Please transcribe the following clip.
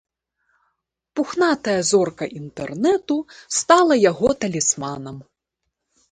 Пухнатая зорка інтэрнэту стала яго талісманам.